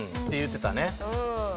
て言うてたね。